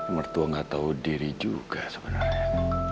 mertua gak tau diri juga sebenernya